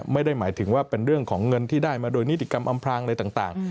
ไม่ได้หมายถึงว่าเป็นเรื่องของเงินที่ได้มาโดยนิติกรรมอำพลางอะไรต่าง